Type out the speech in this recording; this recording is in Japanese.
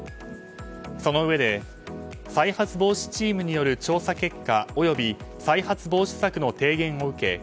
そのうえで再発防止チームによる調査結果および再発防止策の提言を受け